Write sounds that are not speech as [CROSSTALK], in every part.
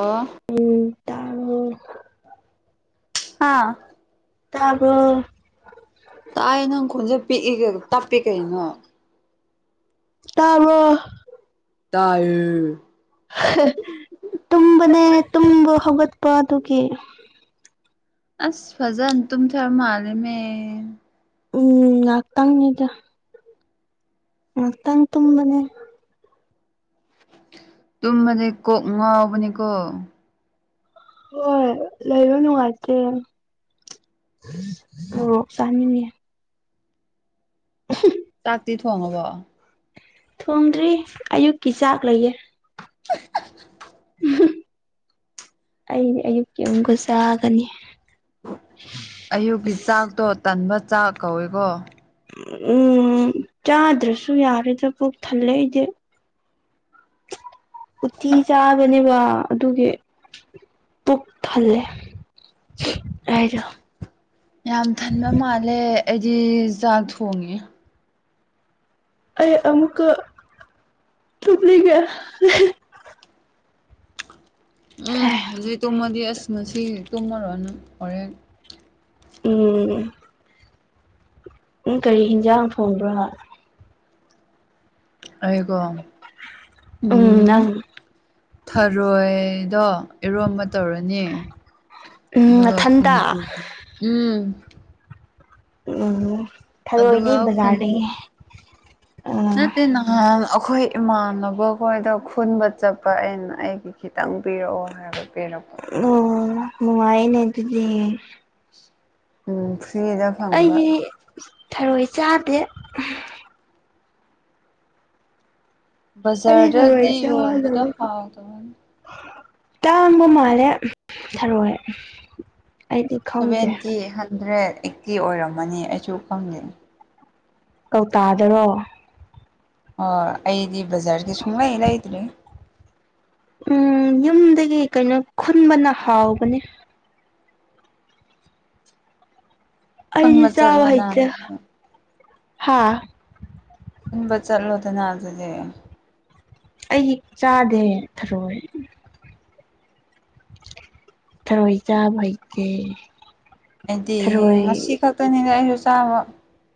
ꯑꫭ ꯇꯥꯕ꯭ꯔꫭ ꯍꯥꯥ ꯇꯥꯕ꯭ꯔꫭ ꯇꯥꯏ ꯅꯪ ꯈꯨꯣꯟꯁꯦ ꯄꯤꯛꯏ ꯇꯞꯄꯤ ꯀꯩꯅꯣ ꯇꯥꯕ꯭ꯔꫭ ꯇꯥꯌꯦ ꯇꯨꯝꯕꯅꯦ ꯇꯨꯝꯕ ꯍꯧꯒꯠꯄ ꯑꯗꯨꯒꯤ ꯑꯁ ꯐꯖꯟ ꯇꯨꯝꯊꯔ ꯃꯥꯂꯦꯃꯦ ꯎꯝ ꯉꯥꯛꯇꯪꯅꯤꯗ ꯉꯥꯛꯇꯪ ꯇꯨꯝꯕꯅꯦ ꯇꯨꯝꯑꯁꯦ ꯀꯣꯛ ꯉꯥꯎꯕꯅꯤꯀꯣ ꯍꯣꯏ ꯂꯩꯕ ꯅꯨꯡꯉꯥꯏꯇꯦ ꯑꫭ ꯇꯥꯅꯤꯡꯉꯦ ꯆꯥꯛꯇꯤ ꯊꯣꯡꯑꯕꫭ ꯊꯣꯡꯗ꯭ꯔꯤ ꯑꯌꯨꯛꯀꯤ ꯆꯥꯛ ꯂꯩꯌꯦ [UNINTELLIGIBLE] ꯑꯩꯗꯤ ꯑꯌꯨꯛꯀꯤ ꯑꯃꯨꯛꯀ ꯆꯥꯒꯅꯤ꯫ ꯑꯌꯨꯛꯀꯤ ꯆꯥꯛꯇꯣ ꯇꯟꯕ ꯆꯥꯛ ꯀꯧꯏꯀꯣ꯫ ꯎꯝ ꯆꯥꯗ꯭ꯔꯁꯨ ꯌꯥꯔꯦꯗ ꯄꯨꯛ ꯊꯜꯂꯦ ꯑꯩꯗꯤ [UNINTELLIGIBLE] ꯎꯇꯤ ꯆꯥꯕꯅꯦꯕ ꯑꯗꯨꯒꯤ ꯄꯨꯛ ꯊꯜꯂꯦ ꯔꫭꯏꯖꫭ [UNINTELLIGIBLE] ꯌꯥꯝ ꯊꯟꯕ ꯃꯥꯜꯂꯦ ꯑꯩꯗꯤ ꯆꯥꯛ ꯊꯣꯡꯏ ꯑꯩ ꯑꯃꯨꯛꯀ ꯊꯨꯞꯂꯤꯒꯦ ꯎꯝ ꯍꯧꯖꯤꯛ ꯇꯨꯝꯑꯗꯤ ꯑꯁ ꯉꯁꯤ ꯇꯨꯝꯑꯔꯣꯏ ꯍꯣꯔꯦꯟ ꯎꯝ ꯎꯝ ꯀꯔꯤ ꯍꯤꯟꯖꯥꯡ ꯊꯣꯡꯕ꯭ꯔꯣ ꯑꯩꯒꯣ ꯎꯝ ꯅꯪ ꯊꯔꯣꯏꯗꯣ ꯏꯔꯣꯟꯝꯕ ꯇꯧꯔꯅꯤ ꯎꯝ ꯑꯗꯨꯒ ꯅꯊꯟꯇ ꯈꯣꯡꯆꯨ ꯎꯝ ꯎꯝ ꯑꯗꯨꯒ ꯊꯔꯣꯏꯗꯤ ꯈꯨꯡ ꯕꯖꯥꯔꯗꯒꯤ ꯑꯥ ꯅꯠꯇꯦ ꯅꯍꯥꯟ ꯑꯩꯈꯣꯏ ꯏꯃꯥꯟꯅꯕꯈꯣꯏꯗ ꯈꯨꯟꯕ ꯆꯠꯄ ꯑꯩꯅ ꯑꯩꯒꯤ ꯈꯤꯇꯪ ꯄꯤꯔꯛꯑꯣ ꯍꯥꯏꯕ꯫ ꯑꯣ ꯅꯨꯡꯉꯥꯏꯅꯦ ꯑꯗꯨꯗꯤ꯫ ꯎꯝ ꯐ꯭ꯔꯤꯗ ꯐꯪꯕ꯫ ꯑꯩꯗꯤ ꯊꯔꯣꯏ ꯆꯥꯗꯦ꯫ ꯑꯩꯗꯤ ꯊꯔꯣꯏ ꯕꯖꯥꯔꯗꯗꯤ ꯌꯣꯟꯕꯗꫭ ꯆꯥꯗꯕ ꯍꯥꯎꯗꯕꯅꯤ꯫ ꯇꯥꯡꯕ ꯃꯥꯜꯂꯦ ꯊꯔꯣꯏ꯫ ꯑꯩꯗꯤ ꯈꯪꯗꯦ ꯁꯚꯦꯟꯇꯤ ꯍꯟꯗ꯭ꯔꯦꯗ ꯑꯩꯠꯇꯤ ꯑꯣꯏꯔꯝꯃꯅꯤ ꯑꯩꯁꯨ ꯈꯪꯗꯦ꯫ ꯀꯧꯇꯥꯗꯔꯣ꯫ ꯑꯣ ꯑꯩꯗꯤ ꯕꯖꯥꯔꯗꯩ ꯁꯨꯡꯂꯩ ꯂꯩꯗ꯭ꯔꯤ꯫ ꯎꯝ ꯌꯨꯝꯗꯒꯤ ꯀꯩꯅꯣ ꯈꯨꯟꯕꯅ ꯍꯥꯎꯕꯅꯦ꯫ ꯑꯩꯗꯤ ꯈꯨꯟꯕ ꯆꯥꯕ ꯆꯠꯂꯣꯅ ꯍꯥꯏꯇꯦ ꯅꯪ ꯍꯥꯥ꯫ ꯈꯨꯟꯕ ꯆꯠꯂꫭꯗꯅꯥ ꯑꯗꯨꯗꯤ꯫ ꯑꯩ ꯆꯥꯗꯦ ꯊꯔꯣꯏ꯫ ꯊꯔꯣꯏ ꯆꯥꯕ ꯍꯩꯇꯦ꯫ ꯑꯩꯗꯤ ꯊꯔꯣꯏ ꯉꯁꯤ ꯈꯛꯇꯅꯤꯅꯦ ꯑꯩꯁꯨ ꯆꯥꯕ꯫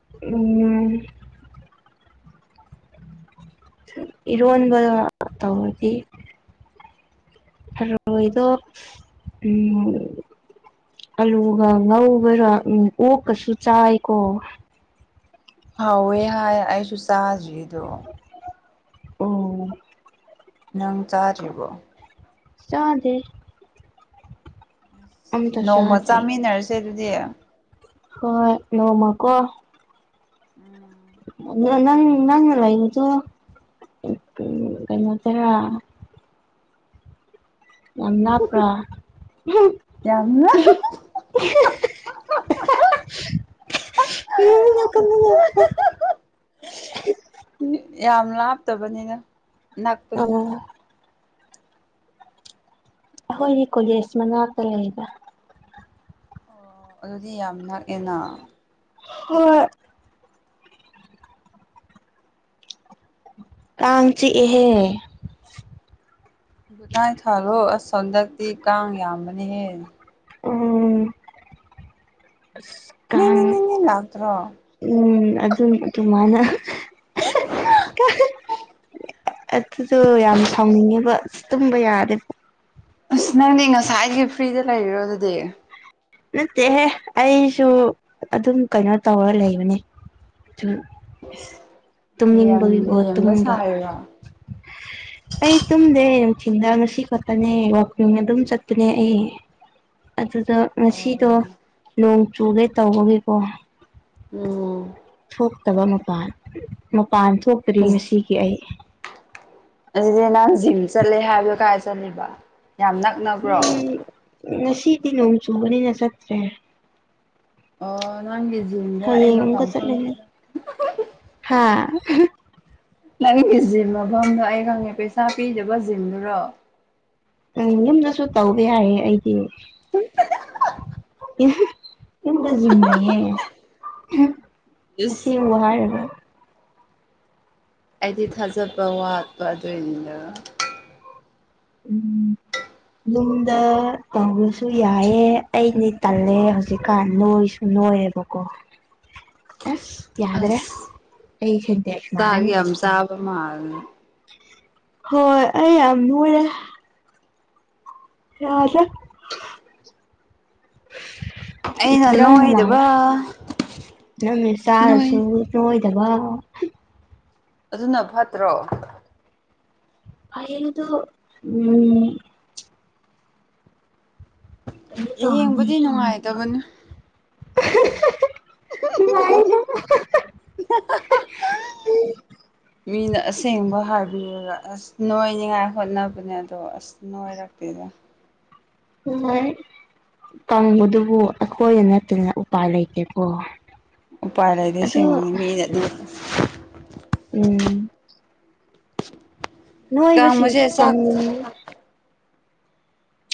ꯏ [UNINTELLIGIBLE] ꯏꯔꯣꯟꯕ ꯇꯧꯔꯗꯤ ꯊꯔ‌ꯣꯏꯗ‌ꯣ ꯑꯂꯨꯒ ꯉꯧꯕꯔ ꯎ ꯑꯣꯛꯀꯁꯨ ꯆꯥꯏꯀꯣ ꯍꯥꯎꯋꯦ ꯍꯥꯏ ꯑꯩꯁꯨ ꯆꯥꯗ꯭ꯔꯤꯗꯣ ꯑꯣ ꯅꯪ ꯆꯥꯔꯤꯕꯣ ꯆꯥꯗꯦ ꯑꯝꯇ ꯅꯣꯡꯃ ꯁꯥꯗꯦ ꯆꯥꯃꯤꯟꯅꯔꯁꯦ ꯑꯗꯨꯗꯤ ꯍꯣꯏ ꯅꯣꯡꯃ ꯀꯣ ꯎꯝ ꯑ ꯅꯪ ꯅꯪ ꯂꯩꯁꯨ ꯀꯩꯅꯩꯅꯇꯔ ꯌꯥꯝ ꯅꯥꯄ꯭ꯔꯥ [UNINTELLIGIBLE] ꯃꯤ ꯌꯥꯝꯅ [UNINTELLIGIBLE] ꯌꯥꯝ ꯂꯥꯞꯇꯕꯅꯤꯅ ꯅꯛꯄꯅꯦ ꯑꯣ ꯑꯩꯈꯣꯏꯒꯤ ꯀꯣꯂꯦꯖ ꯃꯅꯥꯛꯇ ꯂꯩꯕ ꯑꯣ ꯑꯗꯨꯗꯤ ꯌꯥꯝꯅꯛꯑꯦꯅ ꯍꯣꯌ ꯀꯥꯡ ꯆꯤꯛ ꯑꯥꯍꯦ ꯒꯨꯗ ꯅꯥꯏꯠ ꯊꯥꯜꯂꯣ ꯑꯁ ꯍꯟꯗꯛꯇꯤ ꯀꯥꯡ ꯌꯥꯝꯕꯅꯤꯍꯦ ꯎꯝ ꯑ ꯅꯤꯡ ꯀꯥꯡ ꯅꯤꯡ ꯅꯤꯡ ꯅꯤꯡ ꯂꯥꯛꯇ꯭ꯔꯣ ꯎꯝ ꯑꯗꯨꯝ ꯑꯗꯨꯃꯥꯏꯅ ꯀ [UNINTELLIGIBLE] ꯑꯗꯨꯗꯣ ꯌꯥꯝ ꯁꯥꯎꯅꯤꯡꯉꯦꯕ ꯑ ꯇꯨꯝꯕ ꯌꯥꯔꯦꯕ ꯑꯁ ꯅꯪꯅꯦ ꯉꯁꯥꯏꯒꯤ ꯐ꯭ꯔꯤꯗ ꯂꯩꯔꯤꯔꯣ ꯑꯗꯨꯗꯤ ꯅꯠꯇꯦꯍꯦ ꯑꯩꯁꯨ ꯑꯗꯨꯝ ꯀꯩꯅꯣ ꯇꯧꯔ ꯂꯩꯕꯅꯦ ꯆꯨꯝ ꯌꯥꯝ ꯇꯨꯝꯅꯤꯡꯕꯒꯤꯀꯣ ꯂꯦꯝꯕ ꯇꯨꯝꯕ ꯁꯥꯔꯤꯔꯣ ꯑꯩ ꯇꯨꯝꯗꯦ ꯅꯨꯡꯆꯤꯟꯗ ꯉꯁꯤ ꯈꯛꯇꯅꯦ ꯋꯥꯛꯀꯤꯡ ꯑꯗꯨꯝ ꯆꯠꯇꯅꯦ ꯑꯩ ꯑꯗꯨꯗ ꯑꯣ ꯉꯁꯤꯗꯣ ꯅꯣꯡ ꯆꯨꯒꯦ ꯇꯧꯕꯒꯤꯀꯣ ꯎꯝ ꯊꯣꯛꯇꯕ ꯃꯄꯥꯟ ꯃꯄꯥꯟ ꯊꯣꯛꯇ꯭ꯔꯤ ꯉꯁꯤꯒꯤ ꯑꯩ ꯑꯁꯤꯗꯤ ꯅꯪ ꯖꯤꯝ ꯆꯠꯂꯦ ꯍꯥꯏꯕꯗꯣ ꯀꯥꯏ ꯆꯠꯂꯤꯕ ꯌꯥꯝ ꯅꯛꯅꯕ꯭ꯔꯣ ꯎ ꯉꯁꯤꯗꯤ ꯅꯣꯡ ꯆꯨꯕꯅꯤꯅ ꯆꯠꯇ꯭ꯔꯦ ꯑ ꯅꯪꯂꯤꯁ ꯍ ꯏꯀ ꯆꯠ ꯂꯩꯒꯦ ꯍꯥ ꯅꯪꯒꯤ ꯖꯤꯝ ꯃꯐꯝꯗꯣ ꯑꯩ ꯈꯪꯉꯦ ꯄꯩꯁꯥ ꯄꯤꯗꯕ ꯖꯤꯝꯗꯨꯔꯣ ꯎꯝ ꯌꯨꯝꯗꯁꯨ ꯇꯧꯕ ꯌꯥꯏꯌꯦ ꯑꯩꯗꯤ [UNINTELLIGIBLE] ꯌꯨꯝꯇ ꯌꯨꯝꯅꯩꯌꯦ ꯑꯁꯤ ꯏꯁ ꯋꯥ ꯍꯥꯏꯔꯒ ꯑꯩꯗꯤ ꯊꯥꯖꯕ ꯋꯥꯠꯄ ꯑꯗꯨ ꯑꯣꯏꯅꯤꯗ ꯎꯝ ꯨꯝꯗ ꯇꯧꯕꯁꯨ ꯌꯥꯏꯑ ꯑꯩꯗꯤ ꯇꯜꯂꯦ ꯍꯧꯖꯤꯛꯀꯥꯟ ꯅꯣꯏ ꯁꯨꯝ ꯂꯣꯏꯌꯦꯕꯀꯣ ꯑꯦꯁ ꯌꯥꯗ꯭ꯔꯦ ꯑꯁ ꯑꯩ ꯆꯟꯇꯁ ꯆꯥꯛ ꯃꯥꯔꯅꯤ ꯌꯥꯝ ꯆꯥꯕ ꯃꯥꯜꯂꯦ ꯍꯣꯏ ꯑꯩ ꯌꯥꯝ ꯂꯣꯏꯔꯦ ꯍꯖ ꯑꯩꯅ ꯔꯝ ꯃꯥ ꯅꯣꯏꯗꯕ ꯅꯝꯃꯦ ꯁꯔ ꯅꯣꯏ ꯁ ꯆꯕ ꯑꯗꯨꯅ ꯐꯠꯇ꯭ꯔꯣ ꯑꯩꯗꯨ ꯎꯝ ꯀꯩꯅꯣ ꯇꯧꯔꯅꯤ ꯌꯦꯡꯕꯗꯤ ꯅꯨꯡꯉꯥꯏꯇꯕꯅꯦ [INAUDIBLE] ꯃꯤꯅ ꯑꯁꯦꯡꯕ ꯍꯥꯏꯕꯤꯔꯒ ꯑꯁ ꯅꯣꯏꯅꯤꯉꯥꯏ ꯍꯣꯠꯅꯕꯅꯦ ꯑꯗꯣ ꯑꯁ ꯅꯣꯏꯔꯛꯇꯦꯗ [INAUDIBLE] ꯀꯪꯕꯗꯨꯕꯨ ꯑꯈꯣꯏꯗ ꯅꯠꯇꯅ ꯎꯄꯥꯏ ꯂꯩꯇꯦꯀꯣ ꯎꯄꯥꯏ ꯂꯩꯇꯦ ꯑꯗꯣ ꯑꯁꯪꯡꯕꯒꯤ ꯃꯤꯅꯗꯤ ꯎꯝ ꯅꯣꯏꯕꯁꯤꯡꯁꯨ ꯀꯥꯡꯕꯁꯦ ꯆꯥꯛ ꯀꯪꯅꯤꯡꯏ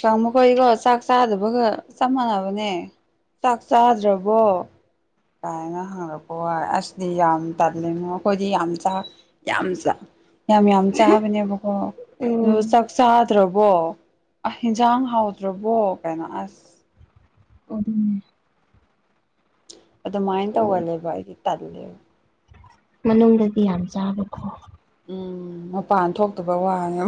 ꯀꯪꯕꯥꯈꯣꯏꯀꯣ ꯆꯥꯛ ꯆꯥꯗꯕꯒ ꯆꯞ ꯃꯥꯟꯅꯕꯅꯦ ꯆꯥꯛ ꯆꯥꯗ꯭ꯔꯕꯔꯣ ꯀꯥꯏꯅ ꯍꯪꯉꯛꯄ ꯋꯥꯏ ꯑꯁꯗꯤ ꯌꯥꯝ ꯇꯜꯂꯤꯉꯣ ꯑꯈꯣꯏꯗꯤ ꯌꯥꯝ ꯌꯥꯝ ꯌꯥꯝ ꯌꯥꯝ ꯆꯥꯕꯅꯦꯕꯀꯣ ꯑꯗꯨ ꯎꯝ ꯆꯥꯛ ꯆꯥ ꯍꯥꯎꯇ꯭ꯔꯕꯣ ꯑ ꯍꯟꯖꯥꯡ ꯍꯥꯎꯗ꯭ꯔꯕꯣ ꯀꯥꯏꯅ ꯑꯁ ꯑꯗꯨꯅꯦ ꯑꯗꯨꯃꯥꯏꯅ ꯇꯧꯒꯜꯂꯦꯕ ꯑꯩꯗꯤ ꯇꯜꯂꯦꯕ ꯃꯅꯨꯡꯗꯗꯤ ꯌꯥꯝ ꯆꯥꯕꯀꯣ ꯎꯝ ꯃꯄꯥꯟ ꯊꯣꯛꯇꯕ ꯋꯥꯅꯦ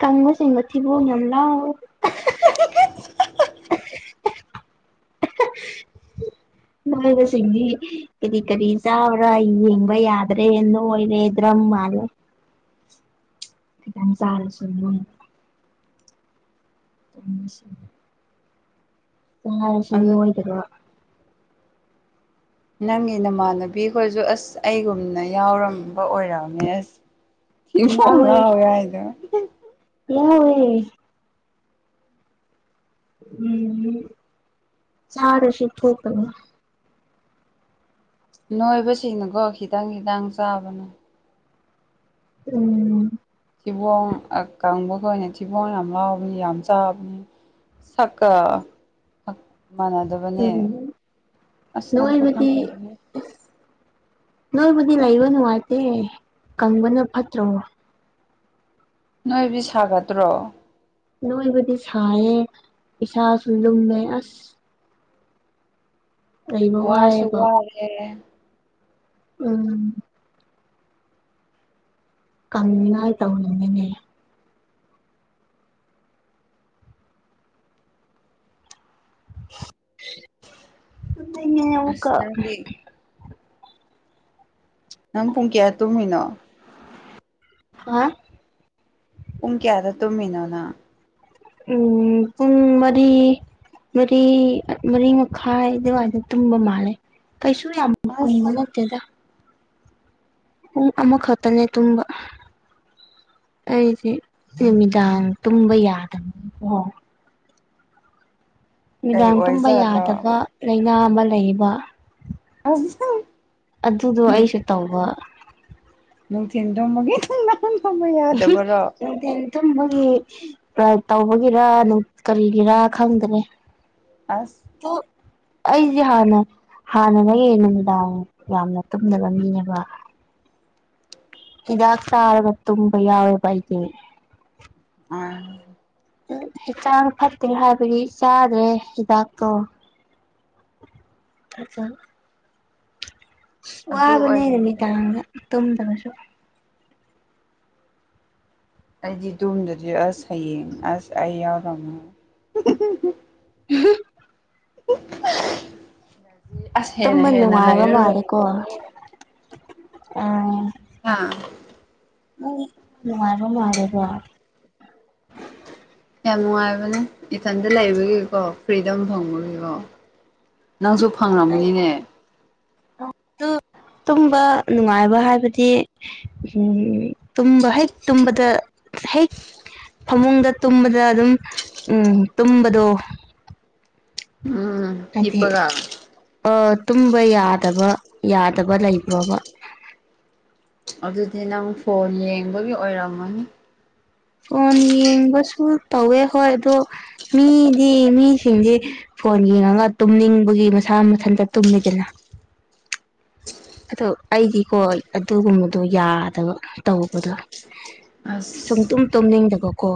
ꯀꯥꯡꯕꯨꯁꯤ ꯝꯊꯤꯕꯣꯡ ꯌꯥꯝ ꯂꯧꯏ [INAUDIBLE] ꯅꯣꯏꯕꯁꯤꯡꯗꯤ ꯀꯔꯤ ꯀꯔꯤ ꯆꯥꯕ꯭ꯔꯥ ꯌꯦꯡꯕ ꯌꯥꯗ꯭ꯔꯦ ꯅꯣꯏꯔꯦ ꯃꯥꯜꯂꯦ ꯈꯤꯇꯪ ꯆꯥꯔꯁꯨ ꯅꯣꯏꯌꯦ [INAUDIBLE] ꯆꯔꯥꯁꯨ ꯑꯗꯨ ꯅꯣꯏ ꯅꯪꯒꯤ ꯅꯃꯥꯟꯅꯕꯤꯈꯣꯏꯁꯨ ꯑꯁ ꯑꯩꯒꯨꯝꯅ ꯌꯥꯎꯔꯝꯕ ꯑꯣꯏꯔꯝꯃꯦ ꯑꯁ ꯑꯩꯐꯧ ꯉꯧꯏ ꯍꯥꯏꯗꯣ ꯌꯧꯏ ꯎꯝ ꯆꯔꯁꯨ ꯊꯣꯛꯇꯥꯕꯅꯤ ꯅꯣꯏꯕꯁꯤꯡꯅꯀꯣ ꯈꯤꯇꯪ ꯈꯤꯇꯪ ꯆꯥꯕꯅꯦ ꯎꯝ ꯊꯤꯕꯣꯡ ꯑꯀꯪꯕꯈꯣꯏꯅ ꯊꯤꯕꯣꯡ ꯌꯥꯝ ꯂꯥꯎꯕꯅꯤ ꯌꯥꯝ ꯆꯥꯕꯅꯤ ꯁꯛꯀꯥ ꯃꯥꯟꯅꯗꯕꯅꯦ ꯎꯝ ꯑꯁ ꯅꯪꯁꯨ ꯅꯣꯏꯕꯗꯤ ꯈꯪꯒ ꯅꯣꯏꯕꯗꯤ ꯂꯩꯕ ꯅꯨꯡꯉꯥꯏꯇꯦ ꯀꯪꯕꯅ ꯐꯠꯇ꯭ꯔꯣ ꯅꯣꯏꯕꯗꯤ ꯁꯥꯒꯠꯇ꯭ꯔꯣ ꯅꯣꯏꯕꯗꯤ ꯁꯥꯏꯌꯦ ꯏꯁꯥꯁꯨ ꯂꯨꯝꯃꯦ ꯑꯁ ꯂꯩꯕ ꯋꯥꯁꯨ ꯋꯥꯏꯌꯦꯕ ꯋꯥꯌꯦ ꯎꯝ ꯀꯪꯅꯉꯥꯏ ꯇꯧꯔꯤꯅꯤꯅꯦ ꯇꯨꯝꯅꯤꯡꯉꯦ ꯑꯃꯨꯛꯀ ꯑꯁ ꯅꯪꯗꯤ ꯅꯪ ꯄꯨꯡ ꯀꯌꯥ ꯇꯨꯝꯃꯤꯅꯣ ꯍꯥ ꯄꯨꯡ ꯀꯌꯥꯗ ꯇꯨꯃꯤꯅꯣ ꯅꯪ ꯎꯝ ꯄꯨꯡ ꯃꯔꯤ ꯃꯔꯤ ꯃꯔꯤ ꯃꯈ ꯗꯒꯥꯏꯗꯤ ꯇꯨꯝꯕ ꯃꯥꯂꯦ ꯀꯩꯁꯨ ꯌꯥꯝ ꯀꯨꯏꯕ ꯑꯁ ꯅꯠꯇꯦꯗ ꯄꯨꯡ ꯑꯃꯥꯈꯛꯇꯅꯦ ꯇꯨꯝꯕ ꯑꯩꯁꯦ ꯅꯨꯃꯤꯗꯥꯡ ꯇꯨꯝꯕ ꯌꯥꯗꯕꯅꯤꯀꯣ ꯀꯩ ꯅꯨꯃꯤꯗꯥꯡ ꯇꯨꯝꯕ ꯑꯣꯏꯖꯥꯠꯂꯣ ꯌꯥꯗꯕ ꯂꯩꯥꯏꯅꯥ ꯑꯃ ꯂꯩꯕ ꯑꯁ ꯑꯗꯨꯗꯣ ꯑꯩꯁꯨ ꯇꯧꯕ ꯅꯨꯡꯊꯤꯟ ꯊꯣꯃꯒꯤꯦ ꯅꯪ ꯅꯅꯥꯍꯥꯟ ꯊꯝꯕ ꯌꯥꯗꯕꯔꯣ ꯅꯨꯡꯊꯤꯟ ꯇꯨꯝꯕꯒꯤ ꯇꯧꯕꯒꯤꯔ ꯀꯔꯤꯒꯤꯔꯥ ꯈꯪꯗ꯭ꯔꯦ ꯑꯁ ꯑꯩ ꯍꯅ ꯍꯥꯟꯅꯗꯒꯤ ꯅꯨꯃꯤꯗꯥꯡ ꯌꯥꯝꯅ ꯇꯨꯝꯗꯕ ꯃꯤꯅꯦꯕ ꯏꯥꯛꯁ ꯑꯕ ꯇꯨꯝꯕ ꯌꯥꯎ ꯕ ꯏꯇꯅꯤ ꯑ ꯍꯛꯆꯥꯡ ꯐꯠꯇꯦ ꯍꯥꯏꯕꯗꯤ ꯆꯥꯗ꯭ꯔꯦ ꯍꯤꯗꯥꯛꯇꯣ ꯑꯗꯨ ꯋꯥꯕꯅꯦ ꯑꯗꯨꯃꯤ ꯑꯣꯏꯔꯝꯅꯤ ꯇꯒ ꯇꯨꯝꯗꯕꯁꯨ ꯑꯩꯗꯤ ꯨꯝꯗꯨꯗꯤ ꯑꯁ ꯍꯌꯦꯡ ꯑꯁ ꯑꯩ ꯌꯥꯎꯔ ꯑꯃꯨ [UNINTELLIGIBLE] ꯑꯁ ꯍꯦꯟꯅ ꯇꯨꯝꯕ ꯍꯦꯟꯅ ꯂꯩꯔꯨꯔꯣꯏ ꯎꯝ ꯑꯥ ꯎꯔ ꯃꯥꯔꯗ ꯌꯥꯝ ꯅꯨꯡꯉꯥꯏꯕꯅꯦ ꯏꯊꯟꯇ ꯂꯩꯕꯒꯤꯀꯣ ꯐ꯭ꯔꯤꯗꯝ ꯐꯪꯕꯒꯤꯀꯣ ꯅꯪꯁꯨ ꯑꯗꯨ ꯐꯪꯉꯕꯅꯤꯅꯦ ꯇꯨꯝꯕ ꯅꯨꯡꯉꯥꯏꯕ ꯍꯥꯏꯕꯗꯤ ꯇꯨꯝꯕ ꯍꯦꯛ ꯇꯨꯝꯕꯗ ꯍꯦꯛ ꯐꯃꯨꯡꯗ ꯇꯨꯝꯕꯗ ꯑꯗꯨꯝ ꯎꯝ ꯇꯨꯝꯕꯗꯣ ꯍꯥꯏꯗꯤ ꯏꯄ ꯀꯥ ꯑ ꯇꯨꯝꯕ ꯌꯥꯗꯕ ꯌꯥꯗꯕ ꯂꯩꯕ꯭ꯔꯣꯕ ꯑꯗꯨꯗꯤ ꯅꯪ ꯐꯣꯟ ꯌꯦꯡꯕꯒꯤ ꯑꯣꯏꯔꯝꯃꯅꯤ ꯐꯣꯟ ꯌꯦꯡꯕꯁꯨ ꯇꯧꯋꯦ ꯍꯣꯏ ꯑꯣ ꯃꯤꯗꯤ ꯃꯤꯁꯤꯡꯁꯦ ꯐꯣꯟ ꯌꯦꯡꯉꯒ ꯇꯨꯝꯅꯤꯡꯕꯒꯤ ꯃꯁꯥ ꯃꯊꯟꯇ ꯇꯨꯝꯃꯤꯗꯅ [INAUDIBLE] ꯑꯣ ꯑꯩꯗꯤꯀꯣ ꯑꯗꯨꯒꯨꯝꯕꯗꯣ ꯌꯥꯗꯕ ꯇꯧꯕꯗꯣ ꯁꯨꯡ ꯑꯁ ꯇꯨꯝ ꯇꯨꯝꯅꯤꯡꯗꯕꯀꯣ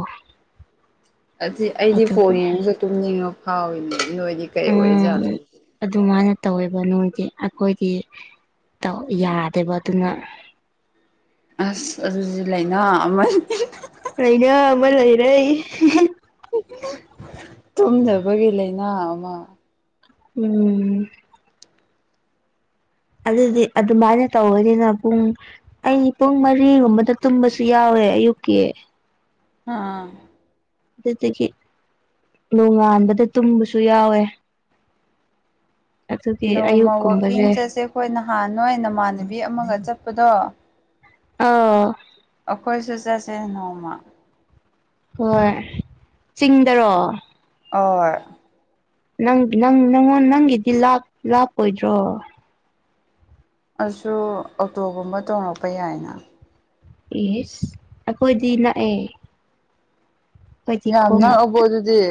ꯑꯁꯤ ꯑꯩꯗꯤ ꯐꯣꯟ ꯑꯗꯨꯒꯤ ꯌꯦꯡꯉꯁꯨ ꯇꯨꯝꯅꯤꯡꯉ ꯐꯥꯎꯏꯅꯦ ꯅꯣꯏꯗꯤ ꯀꯩ ꯑꯣꯏꯖꯥꯠꯂꯣ ꯎꯝ ꯑꯗꯨꯃꯥꯏꯅ ꯇꯧꯋꯦꯕ ꯅꯣꯏꯒꯤ ꯑꯩꯈꯣꯏꯗꯤ ꯌꯥꯗꯦꯕ ꯑꯗꯨꯅ ꯑꯁ ꯑꯗꯨꯁꯨ ꯂꯥꯏꯅꯥ ꯑꯃꯅꯤ ꯂꯩꯅꯥ ꯑꯃ ꯂꯩꯔꯦ ꯇꯨꯝꯗꯕꯒꯤ ꯂꯩꯥꯏꯅꯥ ꯑꯃ ꯎꯝ ꯑꯗꯨꯗꯤ ꯑꯗꯨꯃꯥꯏꯅ ꯇꯧꯕꯅꯤꯅ ꯄꯨꯡ ꯑꯩ ꯄꯨꯡ ꯃꯔꯤꯒꯨꯝꯕꯗ ꯇꯨꯝꯕꯁꯨ ꯌꯥꯎꯋꯦ ꯌꯨ ꯀꯦ ꯑꯥ ꯑꯗꯨꯗꯒꯤ ꯅꯣꯡꯉꯥꯟꯕꯗ ꯇꯨꯝꯕꯁꯨ ꯌꯥꯎꯋꯦ ꯑꯗꯨꯒꯤ ꯅꯣꯡꯃ ꯋꯥꯛꯀꯤꯡ ꯑꯌꯨꯛꯀꯨꯝꯕꯁꯦ ꯆꯠꯁꯦ ꯑꯩꯈꯣꯏ ꯅꯍꯥꯟ ꯅꯣꯏ ꯅꯃꯥꯟꯅꯕꯤ ꯑꯃꯒ ꯆꯠꯄꯗꯣ ꯑ ꯑꯩꯈꯣꯏꯁꯨ ꯆꯠꯁꯦ ꯅꯣꯡꯃ ꯍꯣꯏ ꯆꯤꯡꯗꯔꯣ ꯑꯣ ꯅ ꯅꯪ ꯅꯪꯉꯣꯟ ꯅꯪꯒꯤꯗꯤ ꯂꯥꯞꯄꯣꯏꯗ꯭ꯔꯣ ꯑꯗꯨ ꯑꯣꯇꯣꯒꯨꯝꯕ ꯇꯣꯡꯔꯛꯄ ꯌꯥꯏꯅ ꯌꯦꯁ ꯑꯩꯈꯣꯏꯗꯤ ꯅꯥꯛꯑꯦ ꯌꯥꯝ ꯛꯑꯕꯣ ꯑꯗꯨꯗꯤ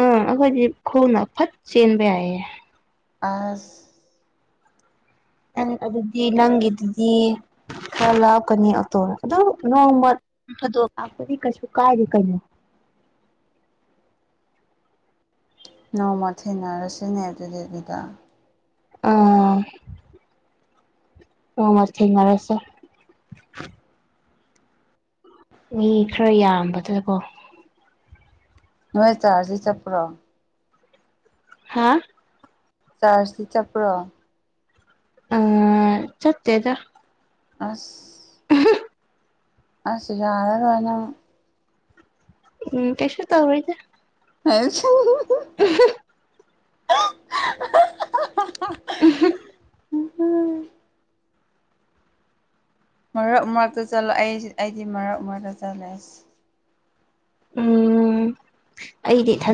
ꯑꯥ ꯑꯩꯈꯣꯏꯗꯤ ꯈꯨꯣꯡꯅ ꯐꯠ ꯆꯦꯟꯕ ꯌꯥꯏꯌꯦꯦ ꯑꯁ ꯅꯪ ꯑꯗꯨꯗꯤ ꯅꯪ ꯑꯗꯨꯗꯤ ꯈꯔ ꯂꯥꯎꯀꯅꯤ ꯑꯇꯣ ꯑꯗꯨ ꯅꯣꯡꯃꯗꯣꯛ ꯂꯄꯗꯤ ꯀꯩꯁꯨ ꯀꯥꯏꯔꯤꯦ ꯀꯩꯅꯣ [INAUDIBLE] ꯅꯣꯡꯃꯊꯦꯡꯅ ꯔꯁꯤꯅꯦ ꯑꯗꯨꯗꯠ ꯂꯤꯗ ꯑꯥ ꯑꯣ ꯃ ꯊꯦꯡ ꯃꯔꯦꯁꯦ ꯃꯤ ꯈꯔ ꯌꯥꯝꯕꯗꯀꯣ ꯅꯣꯏ ꯆꯥꯔꯁꯤ ꯆꯠꯄ꯭ꯔꯣ ꯍꯥ ꯆꯥꯔꯁꯤ ꯆꯠꯄ꯭ꯔꯣ ꯑ ꯆꯠꯦꯗ ꯑꯁ ꯍ ꯑꯁ ꯌꯥꯔꯔꯅ ꯎꯝ ꯇꯁ ꯇ ꯑꯣꯏꯣꯏꯗ ꯍ [INAUDIBLE] [INAUDIBLE] ꯎ ꯎꯝ ꯃꯔꯛ ꯃꯔꯛꯇ ꯆꯠꯂ ꯑꯩ ꯑꯩꯗꯤ ꯃꯔꯛ ꯃꯔꯛꯇ ꯆꯠꯂꯛꯦꯁ ꯎꯝ ꯑꯩꯗꯤ ꯊ